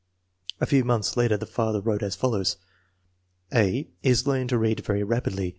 A few months later the father wrote as follows :" A. is learning to read very rapidly.